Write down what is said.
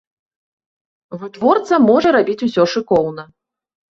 Вытворца можа рабіць усё шыкоўна.